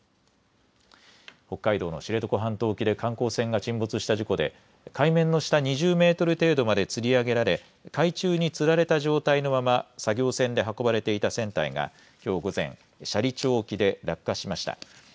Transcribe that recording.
北海道の知床半島沖で観光船が沈没した事故で海面の下２０メートル程度までつり上げられ海中につられた状態のまま作業船で運ばれていた船体がきょう午前、斜里町沖で落下しました。